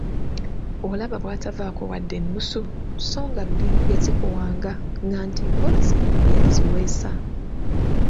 Olaba bwatavaako wadde ennusu so nga luli yazikuwanga nga nti mpozzi yaziweesa!